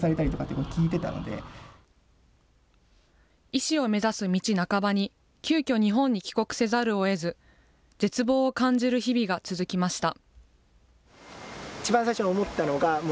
医師を目指す道半ばに、急きょ、日本に帰国せざるをえず、絶望を感じる日々が続きました。